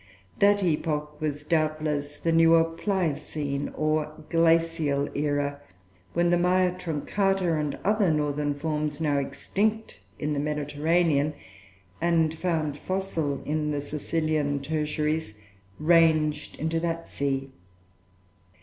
That epoch was doubtless the newer Pliocene or Glacial Era, when the Mya truncata and other northern forms now extinct in the Mediterranean, and found fossil in the Sicilian tertiaries, ranged into that sea.